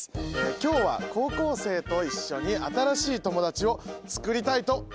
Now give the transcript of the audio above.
今日は高校生と一緒に新しい友達をつくりたいと思います！